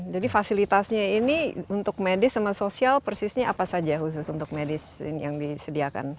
jadi fasilitasnya ini untuk medis sama sosial persisnya apa saja khusus untuk medis yang disediakan